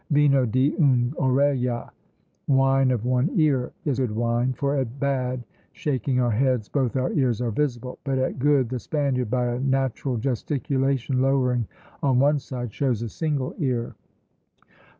Vino di un oreja, "Wine of one ear!" is good wine; for at bad, shaking our heads, both our ears are visible; but at good the Spaniard, by a natural gesticulation lowering on one side, shows a single ear.